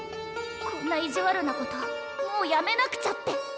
こんな意地悪なこともうやめなくちゃって！